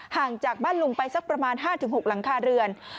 ห่างจากบ้านลุงไปสักประมาณ๕๖หลังคาเรือน